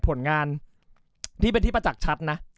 ผลงานที่เป็นที่ประจักษ์ชัดนะ